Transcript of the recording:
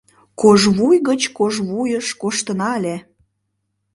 Кож вуй гыч кож вуйыш коштына ыле.